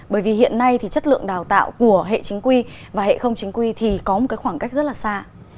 bởi vì hiện nay thì chất lượng đào tạo của hệ chính quy và hệ không chính quy thì có một khoảng cách rất là xa